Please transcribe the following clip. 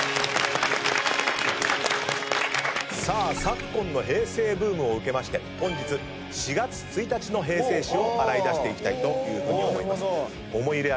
昨今の平成ブームを受けまして本日４月１日の平成史を洗い出していきたいと思います。